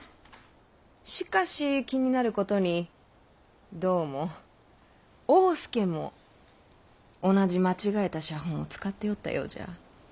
しかし気になることにどうも大典侍も同じ間違えた写本を使っておったようじゃ。